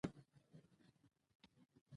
لار مو ورکه کړه .